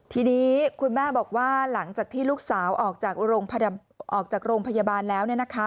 ทีนี้คุณแม่บอกว่าหลังจากที่ลูกสาวออกจากโรงพยาบาลแล้ว